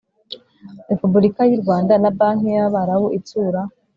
Repubulika y u Rwanda na Banki y Abarabu Itsura